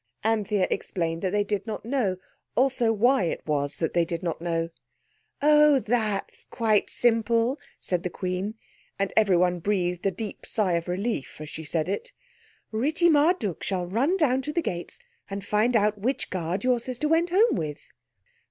Anthea explained that they did not know; also why it was that they did not know. "Oh, that's quite simple," said the Queen, and everyone breathed a deep sigh of relief as she said it. "Ritti Marduk shall run down to the gates and find out which guard your sister went home with."